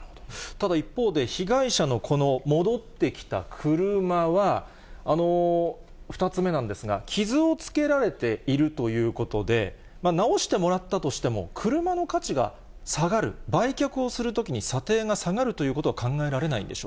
ただ一方で、被害者のこの戻ってきた車は、２つ目なんですが、傷をつけられているということで、直してもらったとしても、車の価値が下がる、売却をするときに査定が下がるということは考えられないんでしょ